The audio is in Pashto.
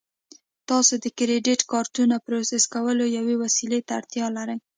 تاسو د کریډیټ کارتونو پروسس کولو یوې وسیلې ته اړتیا لرئ